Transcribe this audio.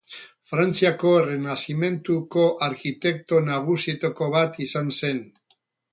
Frantziako Errenazimentuko arkitekto nagusietako bat izan zen.